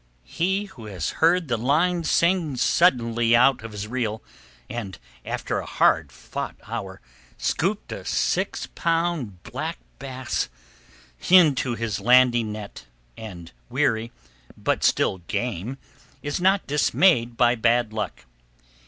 He who has heard the line sing suddenly out of his reel, and, after a hard fought hour, scooped a six pound black bass into the landing net, weary, but still "game," is not dismayed by bad luck.